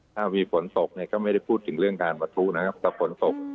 ถ้ามีฝนตกเนี่ยก็ไม่ได้พูดถึงเรื่องการประทุนะครับกับฝนตก